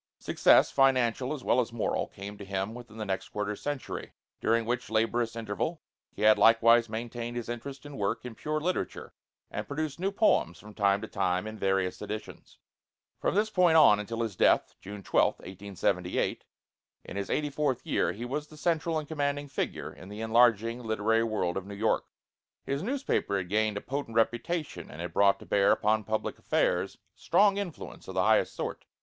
Success, financial as well as moral, came to him within the next quarter century, during which laborious interval he had likewise maintained his interest and work in pure literature and produced new poems from time to time in various editions. From this point on until his death, June 12th, 1878, in his eighty fourth year, he was the central and commanding figure in the enlarging literary world of New York. His newspaper had gained a potent reputation, and it brought to bear upon public affairs a strong influence of the highest sort.